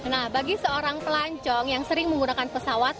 nah bagi seorang pelancong yang sering menggunakan pesawat